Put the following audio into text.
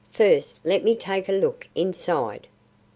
"First let me take a look inside."